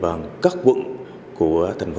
bekommen các tiết kiệm